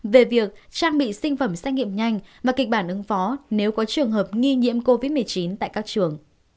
về việc trang bị sinh phẩm xét nghiệm nhanh và kịch bản ứng phó nếu có trường hợp nghi nhiễm covid một mươi chín tại các trường